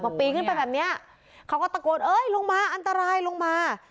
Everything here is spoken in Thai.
พอปีนขึ้นไปแบบเนี้ยเขาก็ตะโกนเอ้ยลงมาอันตรายลงมา